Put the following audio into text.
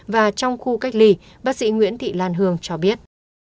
và trong khu cách ly bác sĩ nguyễn thị lan hương cho biết